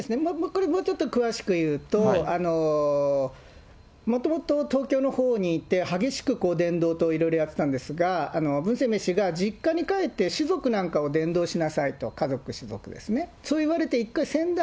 これもうちょっと詳しくいうと、もともと、東京のほうにいて、激しく伝道等いろいろやってたんですが、文鮮明氏が実家に帰って親族なんかを伝道しなさいと、家族、氏族ですね。